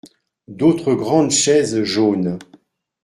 D’autres grandes chaises jaunes.